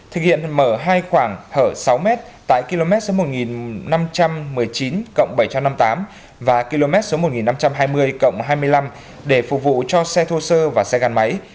thực hiện mở hai khoảng hở sáu m tại km một nghìn năm trăm một mươi chín cộng bảy trăm năm mươi tám và km một nghìn năm trăm hai mươi cộng hai mươi năm để phục vụ cho xe thô sơ và xe gắn máy